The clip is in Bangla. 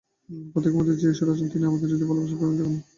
প্রত্যেকের মধ্যে যে ঈশ্বর আছেন, তিনিই আমাদের হৃদয়ে ভালবাসার প্রেরণা জাগান।